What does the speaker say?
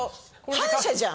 反社じゃん！